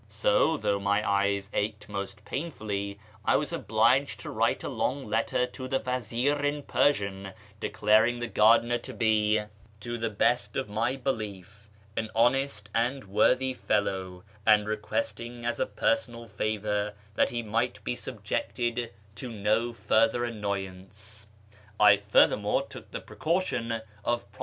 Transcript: So, though my eyes ached most painfully, I was obliged to write a long letter to the vazir in Persian, declaring the gardener to be, to 446 A YEAR AMONGST THE PERSIANS the best of my belief, an lionest and wortliy fellow, aiul re questing, as a personal favour, that he niiu; hl be sultjeeted to no further annoyance. I furthermore took the precaution of ]iromi.